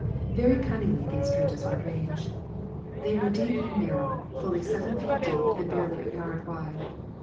Very cunningly these trenches were arranged. They were deep and narrow, fully seven feet deep and barely a yard wide.